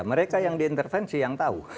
mereka yang diintervensi yang tahu